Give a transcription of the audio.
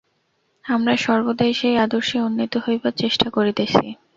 আমরা সর্বদাই সেই আদর্শে উন্নীত হইবার চেষ্টা করিতেছি।